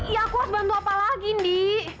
ya aku harus bantu apa lagi ndi